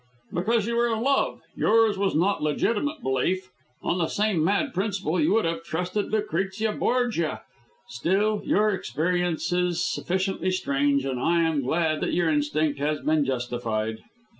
"Because you are in love; yours was not legitimate belief. On the same mad principle you would have trusted Lucrezia Borgia. Still, your experience is sufficiently strange, and I am glad that your instinct has been justified.